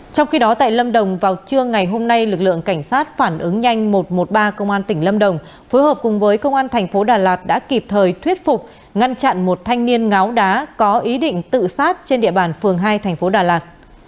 trong khi đó tại lâm đồng vào trưa ngày hôm nay lực lượng cảnh sát phản ứng nhanh một trăm một mươi ba công an tỉnh lâm đồng phối hợp cùng với công an thành phố đà lạt đã kịp thời thuyết phục ngăn chặn một thanh niên ngáo đá có ý định tự sát trên địa bàn phường hai thành phố đà lạt